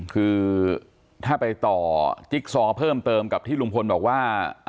คือถ้าไปต่อจิ๊กซอเพิ่มเติมกับที่ลุงพลบอกว่า